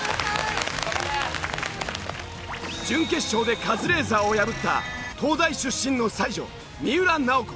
準決勝でカズレーザーを破った東大出身の才女三浦奈保子。